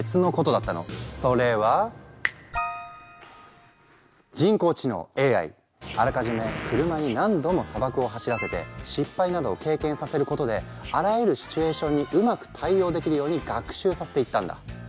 それはあらかじめ車に何度も砂漠を走らせて失敗などを経験させることであらゆるシチュエーションにうまく対応できるように学習させていったんだ。